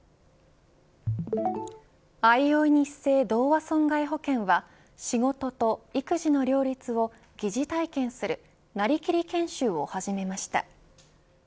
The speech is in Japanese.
あいおいニッセイ同和損害保険は仕事と育児の両立を疑似体験するなりきり研修を始めました。